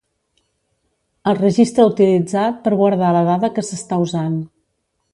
El registre utilitzat per guardar la dada que s'està usant.